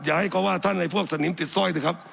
อย่าให้เขาว่าท่านไอ้พวกสนิมติดซ่อยนะครับ